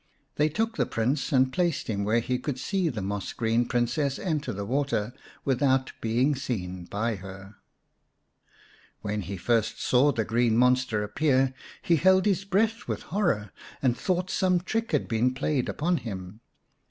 " They took the Prince, and placed him where he could see the moss green Princess enter the water without being seen by her. When he first saw the green monster appear he held his breath with horror, and thought some trick had been played upon him.